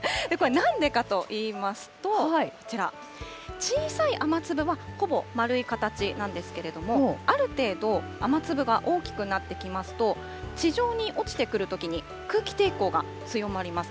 なんでかといいますと、こちら、小さい雨粒はほぼ丸い形なんですけれども、ある程度、雨粒が大きくなってきますと、地上に落ちてくるときに、空気抵抗が強まります。